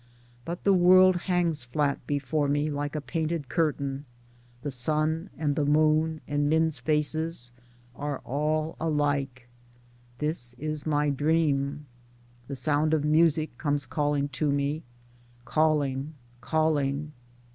But the world hangs flat before me like a painted curtain : the sun and the moon and men's faces are all alike. This is my dream. The sound of music comes calling to me, calling, calling.